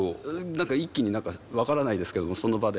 何か一気に分からないですけどもその場で。